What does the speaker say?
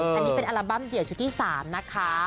อันนี้เป็นอัลบั้มเดี่ยวชุดที่๓นะคะ